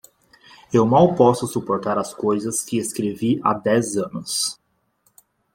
Eu mal posso suportar as coisas que escrevi há dez anos.